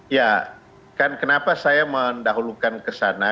ya kan kenapa saya mendahulukan ke sana